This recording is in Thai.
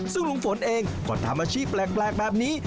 ซึ่งลุงฝนเองก็ทำอาชีพแปลกแบบนี้